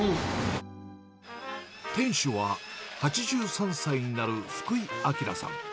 店主は、８３歳になる福井明さん。